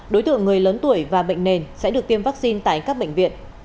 đối tượng người lớn tuổi và bệnh nền sẽ được tiêm vaccine tại các bệnh viện